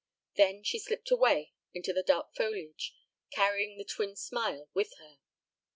Then she slipped away into the dark foliage, carrying the twin smile with her.